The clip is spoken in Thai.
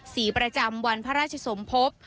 สีประจำวันพระราชสมภพ